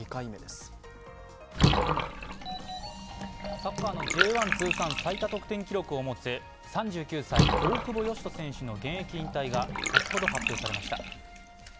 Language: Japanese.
サッカーのＪ１通算最多得点記録を持つ３９歳、大久保嘉人選手の現役引退が先ほど発表されました。